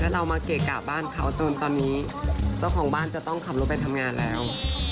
เรามาเกะกะบ้านเขาจนตอนนี้เจ้าของบ้านจะต้องขับรถไปทำงานแล้ว